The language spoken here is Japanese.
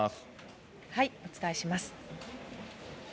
お伝えします。